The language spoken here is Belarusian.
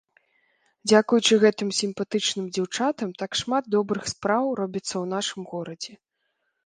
Дзякуючы гэтым сімпатычным дзяўчатам так шмат добрых спраў робіцца ў нашым горадзе.